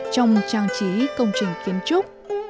trong trang trí công trình kiến trúc